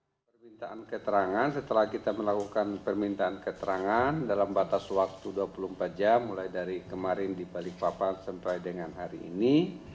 permintaan keterangan setelah kita melakukan permintaan keterangan dalam batas waktu dua puluh empat jam mulai dari kemarin di balikpapan sampai dengan hari ini